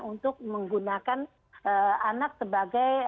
untuk menggunakan anak sebagai